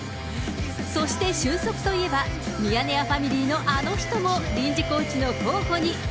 そして俊足といえば、ミヤネ屋ファミリーのあの人も、臨時コーチの候補に。